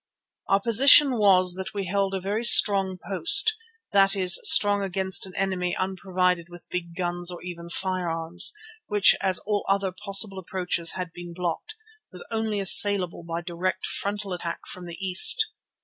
Our position was that we held a very strong post, that is, strong against an enemy unprovided with big guns or even firearms, which, as all other possible approaches had been blocked, was only assailable by direct frontal attack from the east.